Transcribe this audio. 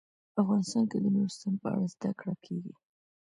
افغانستان کې د نورستان په اړه زده کړه کېږي.